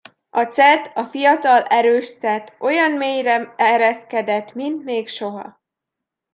A cet, a fiatal, erős cet, olyan mélyre ereszkedett, mint még soha.